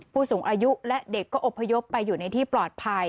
ผู้สูงอายุและเด็กก็อบพยพไปอยู่ในที่ปลอดภัย